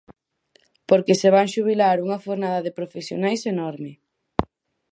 Porque se van xubilar unha fornada de profesionais enorme.